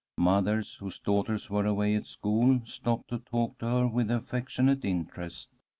Mothers, whose daughters were away at school, stopped to talk to her with affectionate interest.